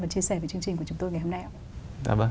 và chia sẻ với chương trình của chúng tôi ngày hôm nay ạ